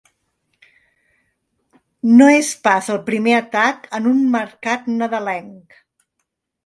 No és pas el primer atac en un mercat nadalenc.